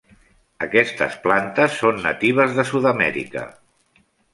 Aquestes plantes són natives de Sud-amèrica.